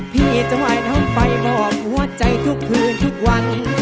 พี่จะไหว้น้องไปบอกหัวใจทุกคืนทุกวัน